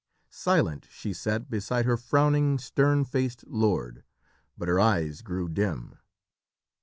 Silent she sat beside her frowning, stern faced lord, but her eyes grew dim.